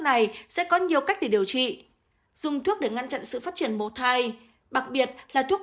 này sẽ có nhiều cách để điều trị dùng thuốc để ngăn chặn sự phát triển mồ thai đặc biệt là thuốc